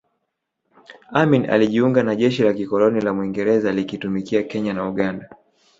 Amin alijiunga na jeshi la kikoloni la Mwingereza likitumikia Kenya na Uganda